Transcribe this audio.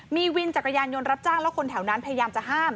มีวินจักรยานยนต์รับจ้างแล้วคนแถวนั้นพยายามจะห้าม